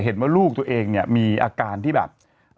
เห็นว่าลูกตัวเองเนี่ยมีอาการที่แบบ